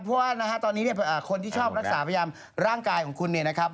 เพราะว่าตอนนี้คนที่ชอบรักษาพยายามร่างกายของคุณ